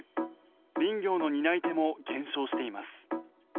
林業の担い手も減少しています。